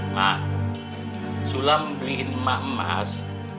mak sulam beliin emak emak